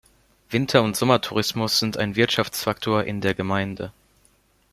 Winter- und Sommertourismus sind ein Wirtschaftsfaktor in der Gemeinde.